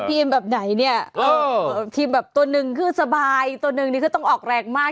เป็นทีมแบบไหนเนี่ยทีมตัวนึงคือสบายตัวนึงนี่คือต้องออกแรงมาก